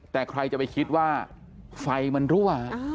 แต่ใครจะไปคิดว่าไฟมันรั่ว